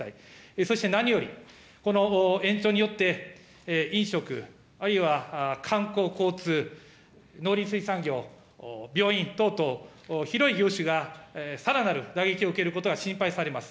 そして何より、この延長によって、飲食、あるいは観光、交通、農林水産業、病院等々、広い業種がさらなる打撃を受けることは心配されます。